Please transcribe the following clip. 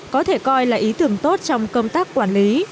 có thể coi là ý tưởng tốt trong công tác quản lý